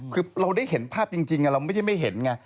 คือเราได้เห็นภาพจริงเราไม่ใช่ไม่เห็นไง